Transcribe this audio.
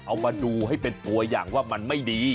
เอามาดูให้เป็นตัวอย่างว่ามันไม่ดี